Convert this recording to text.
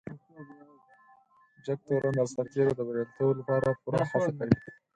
جګتورن د سرتیرو د بريالیتوب لپاره پوره هڅه کوي.